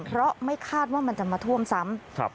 เพราะไม่คาดว่ามันจะมาท่วมซ้ำ